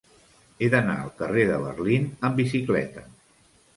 He d'anar al carrer de Berlín amb bicicleta.